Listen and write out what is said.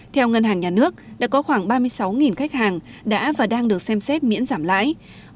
theo ngân hàng nhà nước đã có khoảng ba mươi sáu khách hàng đã và đang được xem xét miễn giảm lãi